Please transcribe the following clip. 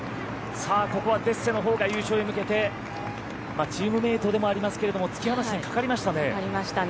ここはデッセのほうが優勝へ向けてチームメートでもありますけど突き放しにかかりましたね。